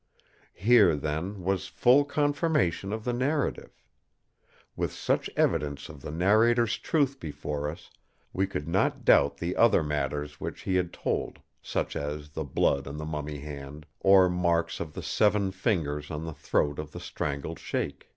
Here, then, was full confirmation of the narrative. With such evidence of the narrator's truth before us, we could not doubt the other matters which he had told, such as the blood on the mummy hand, or marks of the seven fingers on the throat of the strangled Sheik.